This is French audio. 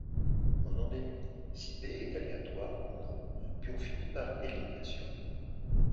On en déduit si B est Aléatoire ou non puis on finit par élimination.